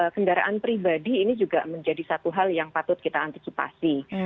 kendaraan pribadi ini juga menjadi satu hal yang patut kita antisipasi